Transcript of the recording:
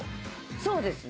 そうですね。